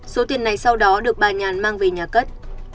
số tiền này sau đó được bà nhàn mang về nhà cất